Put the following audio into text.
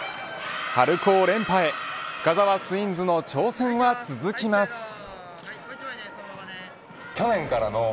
春高連覇へ深澤ツインズの挑戦は続きます。